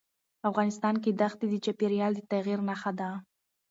افغانستان کې دښتې د چاپېریال د تغیر نښه ده.